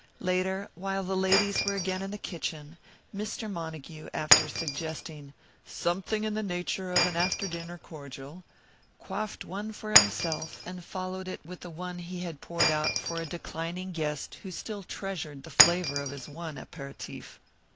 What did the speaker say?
Later, while the ladies were again in the kitchen, Mr. Montague, after suggesting, "Something in the nature of an after dinner cordial," quaffed one for himself and followed it with the one he had poured out for a declining guest who still treasured the flavour of his one aperitif.